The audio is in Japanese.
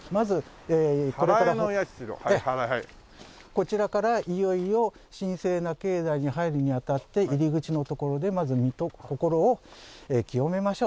こちらからいよいよ神聖な境内に入るにあたって入り口の所でまず身と心を清めましょう。